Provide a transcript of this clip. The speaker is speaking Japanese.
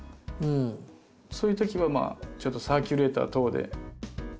そういうときはちょっとサーキュレーター等で。